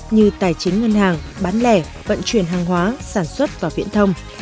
như tài chính ngân hàng bán lẻ vận chuyển hàng hóa sản xuất và viễn thông